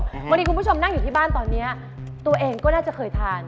คุณผู้ชมนั่งอยู่ที่บ้านตอนนี้ตัวเองก็น่าจะเคยทาน